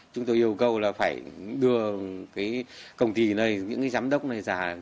chúng tôi yêu cầu là phải đưa cái công ty này những cái giám đốc này ra